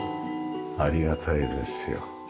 ありがたいですよ。